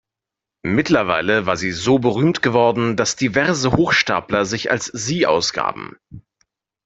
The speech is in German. Mittlerweile war sie so berühmt geworden, dass diverse Hochstapler sich als sie ausgaben.